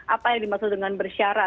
apa yang dimaksud dengan bersyarat